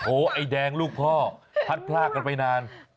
โอ้โหไอ้แดงลูกพ่อพัดพลากกันไปนาน